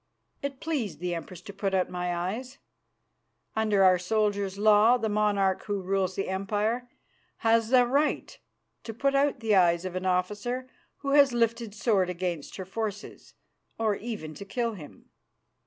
It pleased the Empress to put out my eyes. Under our soldier's law the monarch who rules the Empire has a right to put out the eyes of an officer who has lifted sword against her forces, or even to kill him.